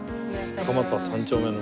蒲田３丁目の梅。